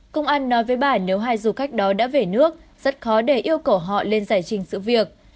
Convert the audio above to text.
công an nói với bà nếu hai du khách đó đã về nước rất khó để yêu cầu họ lên giải trình sự việc